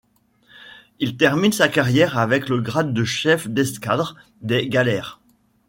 Il termine sa carrière avec le grade de chef d'escadre des galères.